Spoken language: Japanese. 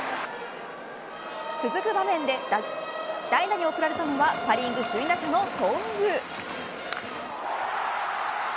続く場面で代打に送られたのはパ・リーグ首位打者の頓宮。